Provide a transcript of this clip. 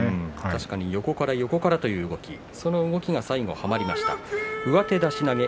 確かに横から横からという動き、その動きが最後はまりました、上手出し投げ。